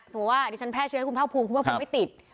สมมุติว่าอาทิตย์ฉันแพร่เชื้อให้คุมเท่าภูมิคุมเพื่อภูมิไม่ติด